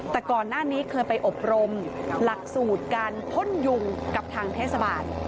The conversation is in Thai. แต่ก่อนหน้านี้เคยไปอบรมหลักสูตรการพ่นยุงกับทางเทศบาล